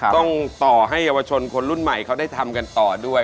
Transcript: ต้องต่อให้เยาวชนคนรุ่นใหม่เขาได้ทำกันต่อด้วย